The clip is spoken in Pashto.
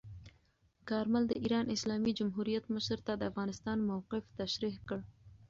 کارمل د ایران اسلامي جمهوریت مشر ته د افغانستان موقف تشریح کړ.